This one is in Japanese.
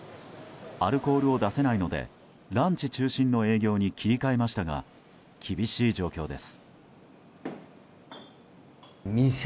アルコールを出せないのでランチ中心の営業に切り替えましたが厳しい状況です。